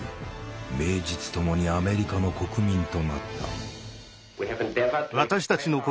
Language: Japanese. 名実ともにアメリカの国民となった。